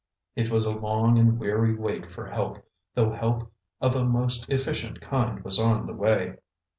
It was a long and weary wait for help, though help of a most efficient kind was on the way.